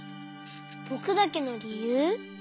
ぼくだけのりゆう？